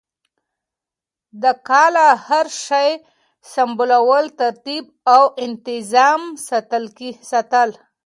د کاله هر شی سمبالول ترتیب او انتظام ساتل